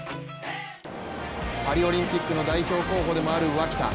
パリオリンピックの代表候補でもある脇田。